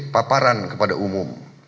paparan kepada umum